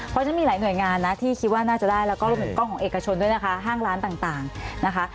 เพราะฉะนั้นมีหลายหน่วยงานนะที่คิดว่าน่าจะได้แล้วก็รวมถึงกล้องของเอกชนด้วยนะคะห้างร้านต่างนะคะ